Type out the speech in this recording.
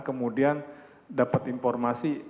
kemudian dapat informasi